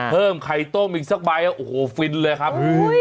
เพิ่มไข่ต้มอีกสักใบโอ้โหฟินเลยครับ